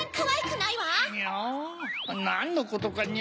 なんのことかにゃ？